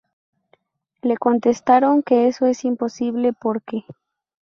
le contestaron que eso es imposible porque